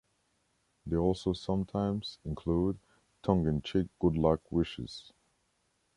They also sometimes include tongue in cheek good luck wishes.